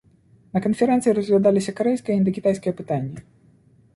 На канферэнцыі разглядаліся карэйскі і індакітайскі пытанні.